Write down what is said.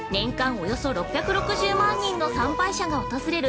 およそ６６０万人の参拝者が訪れる